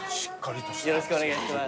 よろしくお願いします。